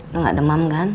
lu gak demam kan